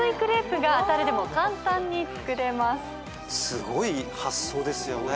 すごい発想ですよね。